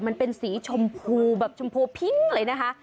มันเป็นสีชมพูแบบชมพูพิ้งเลยนะคะ